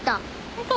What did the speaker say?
本当？